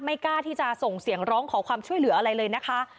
กล้าที่จะส่งเสียงร้องขอความช่วยเหลืออะไรเลยนะคะ